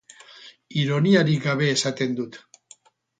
Ironiarik gabe esaten dut.